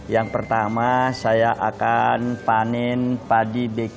yang pertama saya akan panin padi bk